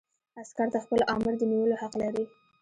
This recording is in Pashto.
عسکر د خپل آمر د نیولو حق لري.